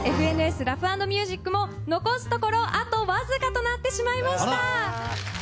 ＦＮＳラフ＆ミュージックも残すところ、あと僅かとなってしまいました。